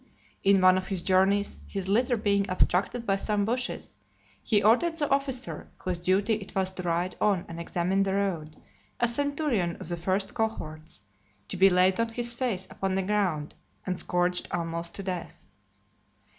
In one of his journeys, his litter being obstructed by some bushes, he ordered the officer whose duty it was to ride on and examine the road, a centurion of the first cohorts, to be laid on his face upon the ground, and scourged almost to death.